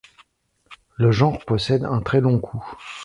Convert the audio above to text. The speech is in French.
Le genre possède un très long cou.